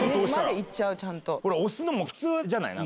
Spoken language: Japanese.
行っちゃうちゃんと。